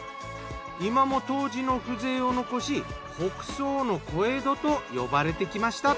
今も当時の風情を残し北総の小江戸と呼ばれてきました。